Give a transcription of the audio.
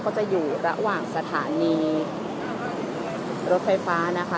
ก็จะอยู่ระหว่างสถานีรถไฟฟ้านะคะ